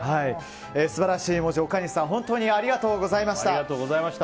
素晴らしい文字を岡西さん本当にありがとうございました。